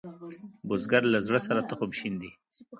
بزګر له زړۀ سره تخم شیندي